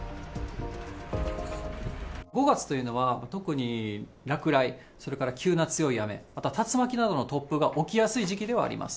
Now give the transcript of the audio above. ５月というのは、特に落雷、それから急な強い雨、また竜巻などの突風が起きやすい時期ではあります。